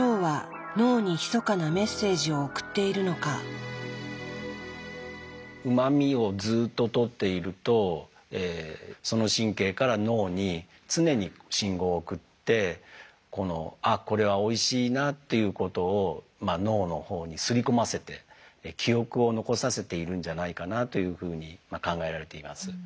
でもうま味をずっととっているとその神経から脳に常に信号を送って「あこれはおいしいな」っていうことを脳の方にすり込ませて記憶を残させているんじゃないかなというふうに考えられています。